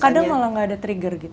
kadang kalau nggak ada trigger gitu